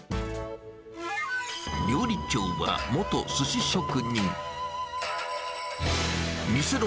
料理長は元すし職人。